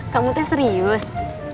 kamu teh serius